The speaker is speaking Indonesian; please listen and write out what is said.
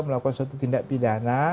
melakukan suatu tindak pidana